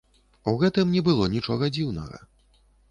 У гэтым не было нічога дзіўнага.